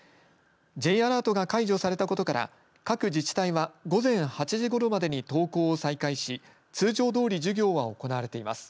Ｊアラートが解除されたことから各自治体は午前８時ごろまでに登校を再開し通常どおり授業は行われています。